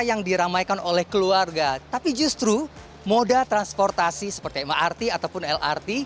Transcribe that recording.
yang diramaikan oleh keluarga tapi justru moda transportasi seperti mrt ataupun lrt